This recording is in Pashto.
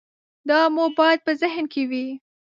دا مو باید په ذهن کې وي.